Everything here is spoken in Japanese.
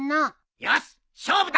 よし勝負だ！